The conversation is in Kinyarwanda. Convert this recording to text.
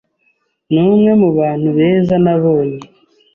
numwe mubantu beza nabonye.